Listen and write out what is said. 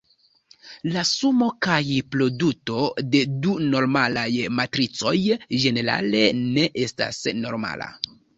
La sumo kaj produto de du normalaj matricoj ĝenerale ne estas normala.